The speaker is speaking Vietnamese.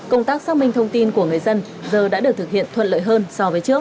công tác xác minh thông tin của người dân giờ đã được thực hiện thuận lợi hơn so với trước